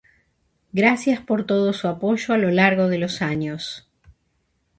Gracias por todo su apoyo a lo largo de los años.